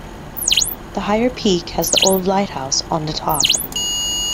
The higher peak has the old lighthouse on the top.